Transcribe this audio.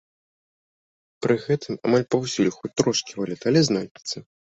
Пры гэтым, амаль паўсюль хоць трошкі валюты, але знойдзецца.